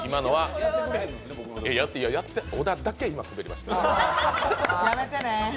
小田だけスベりました、今。